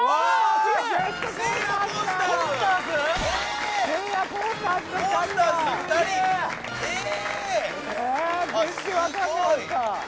すごい！全然わかんなかった！